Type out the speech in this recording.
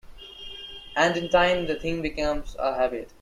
And in time the thing becomes a habit.